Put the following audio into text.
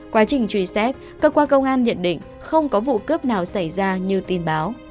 quá trình truy xét cơ quan công an nhận định không có vụ cướp nào xảy ra như tin báo